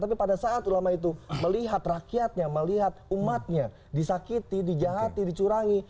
tapi pada saat ulama itu melihat rakyatnya melihat umatnya disakiti dijahati dicurangi